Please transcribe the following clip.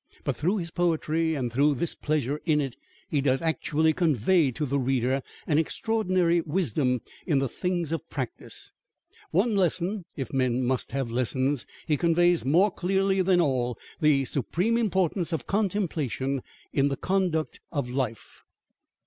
But through his poetry, and through this pleasure in it, he does actually convey to the reader an extraordinary wisdom in the things of practice. One lesson, if men must have lessons, he conveys more clearly than all, the supreme importance of contemplation in the conduct of life.